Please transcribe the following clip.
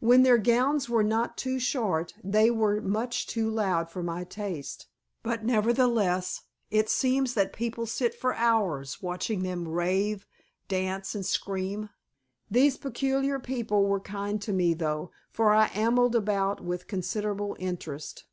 When their gowns were not too short, they were much too loud for my taste, but, nevertheless, it seems that people sit for hours watching them rave, dance, and scream. These peculiar people were kind to me, though, for I ambled about with considerable interest.